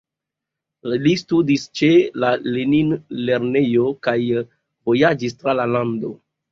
Li studis ĉe la Lenin-lernejo kaj vojaĝis tra la lando.